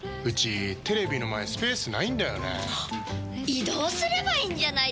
移動すればいいんじゃないですか？